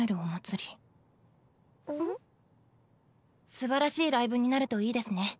すばらしいライブになるといいですね。